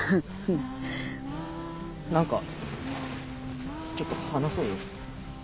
何かちょっと話そうよ。